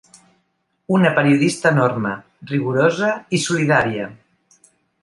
Una periodista enorme, rigorosa i solidària.